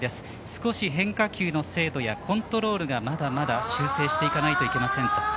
少し変化球の精度やコントロールがまだまだ。修正していかないといけませんと。